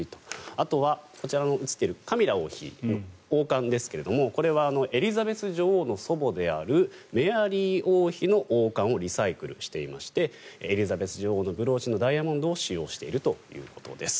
あとはこちらに映っているカミラ王妃の王冠ですがこれはエリザベス女王の祖母であるメアリー王妃の王冠をリサイクルしていましてエリザベス女王のブローチのダイヤモンドを使用しているということです。